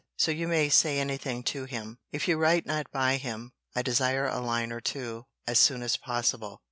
So you may say anything to him. If you write not by him, I desire a line or two, as soon as possible.